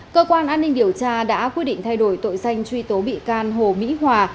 cơ quan an ninh điều tra đã quyết định thay đổi tội danh truy tố bị can hồ mỹ hòa